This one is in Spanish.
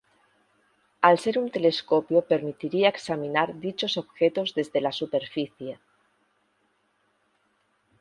Al ser un telescopio permitiría examinar dichos objetos desde la superficie.